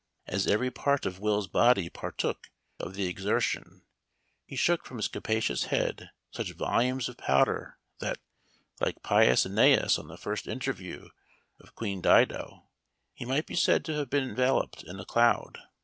As every part of Will's body partook of the exer tion, he shook from his capacious head such volumes of powder that, like pious ^Eneas on the first interview of Queen Dido, he might be said to have been enveloped in a cloud.